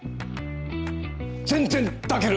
全然抱ける！